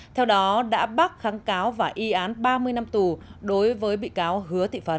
theo đó đã bác kháng cáo và y án ba mươi năm tù đối với bị cáo hứa thị phấn